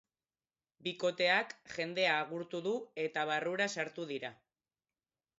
Bikoteak jendea agurtu du eta barrura sartu dira.